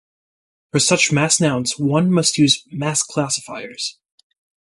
For such mass nouns, one must use "mass-classifiers".